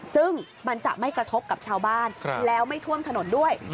ซึ่งมันจะไม่กระทบกับชาวบ้านแล้วไม่ท่วมถนนด้วย